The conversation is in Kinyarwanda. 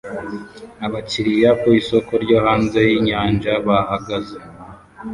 Abakiriya ku isoko ryo hanze yinyanja bahagaze